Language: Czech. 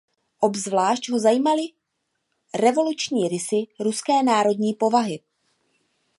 Obzvlášť ho zajímaly revoluční rysy ruské národní povahy.